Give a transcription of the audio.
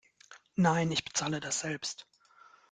Nein, ich bezahle das selbst.